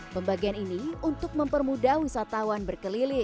pembagian ini untuk mempermudah wisatawan berkeliling